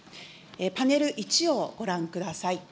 パネル１をご覧ください。